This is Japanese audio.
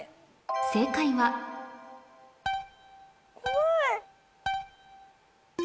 正解は怖い。